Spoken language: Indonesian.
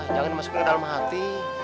jangan masuk ke dalam hati